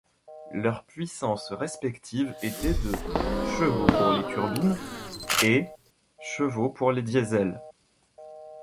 Leur puissance respective était de chevaux pour les turbines et chevaux pour les diesels.